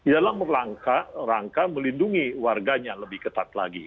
dalam rangka melindungi warganya lebih ketat lagi